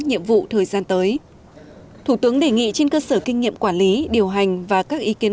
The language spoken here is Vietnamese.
nhiệm vụ thời gian tới thủ tướng đề nghị trên cơ sở kinh nghiệm quản lý điều hành và các ý kiến